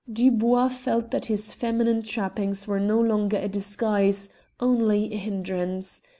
Dubois felt that his feminine trappings were no longer a disguise, only a hindrance.